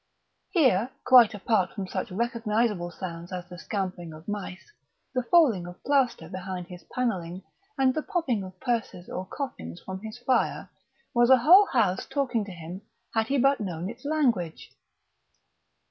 Here, quite apart from such recognisable sounds as the scampering of mice, the falling of plaster behind his panelling, and the popping of purses or coffins from his fire, was a whole house talking to him had he but known its language.